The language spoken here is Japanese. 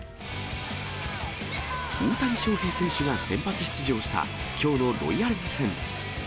大谷翔平選手が先発出場した、きょうのロイヤルズ戦。